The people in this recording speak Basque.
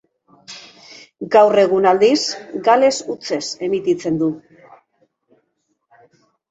Gaur egun, aldiz, gales hutsez emititzen du.